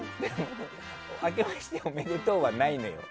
あけましておめでとうはないんだよ。